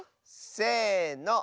せの。